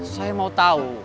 saya mau tahu